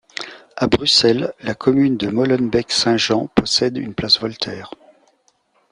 A Bruxelles, la commune de Molenbeek-Saint-Jean possède une place Voltaire.